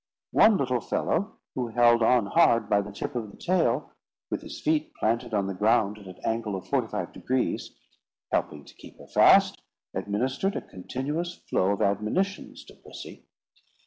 One little fellow who held on hard by the tip of the tail, with his feet planted on the ground at an angle of forty five degrees, helping to keep her fast, administered a continuous flow of admonitions to Pussy.